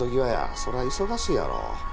そら忙しいやろ。